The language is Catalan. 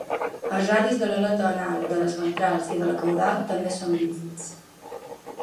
Els radis de l'aleta anal, de les ventrals i de la caudal també són bífids.